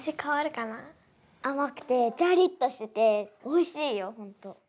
あまくてジャリッとしてておいしいよほんと。